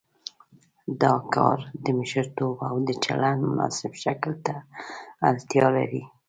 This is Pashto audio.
دا کار د مشرتوب او د چلند مناسب شکل ته اړتیا لري.